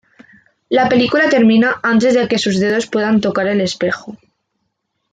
La película termina antes de que sus dedos puedan tocar el espejo.